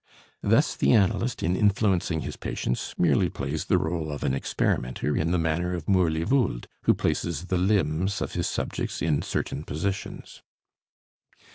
Thus the analyst in influencing his patients, merely plays the role of an experimenter in the manner of Mourly Vold, who places the limbs of his subjects in certain positions.